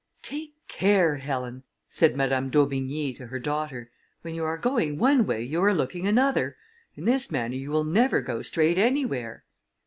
"Take care, Helen!" said Madame d'Aubigny, to her daughter, "when you are going one way, you are looking another; in this manner you will never go straight anywhere."